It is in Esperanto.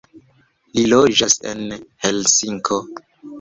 Li loĝas en Helsinko.